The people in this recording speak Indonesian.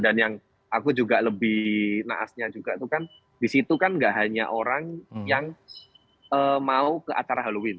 dan yang aku juga lebih naasnya juga itu kan di situ kan nggak hanya orang yang mau ke acara halloween